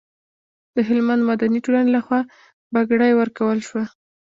د هلمند مدني ټولنې لخوا بګړۍ ورکول شوه.